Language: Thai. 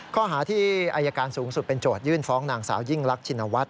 ข้อหาที่อายการสูงสุดเป็นโจทยื่นฟ้องนางสาวยิ่งรักชินวัฒน